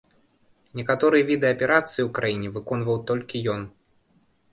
Некаторыя віды аперацый у краіне выконваў толькі ён.